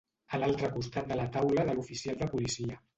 a l'altre costat de la taula de l'oficial de policia